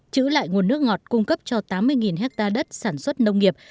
chữ lại nguồn nước ngọt cung cấp cho tám mươi hectare đất sản xuất nông nghiệp